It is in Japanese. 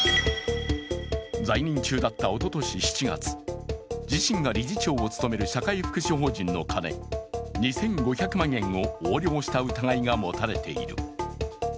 在任中だったおととし７月、自身が理事長を務める社会福祉法人の金、２５００万円を横領した疑いが持たれている。